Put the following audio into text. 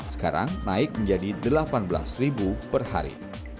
sekarang naik menjadi delapan belas ribu per hari